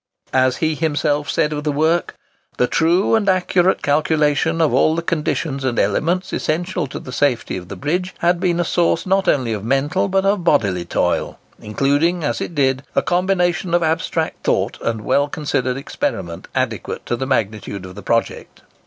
As he himself said of the work,—"The true and accurate calculation of all the conditions and elements essential to the safety of the bridge had been a source not only of mental but of bodily toil; including, as it did, a combination of abstract thought and well considered experiment adequate to the magnitude of the project."